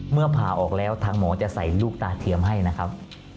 ผ่าออกแล้วทางหมอจะใส่ลูกตาเทียมให้นะครับ